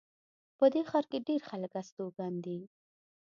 په دې ښار کې ډېر خلک استوګن دي